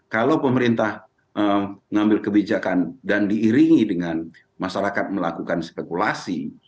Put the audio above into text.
kalau pemerintah mengambil kebijakan dan diiringi dengan masyarakat melakukan spekulasi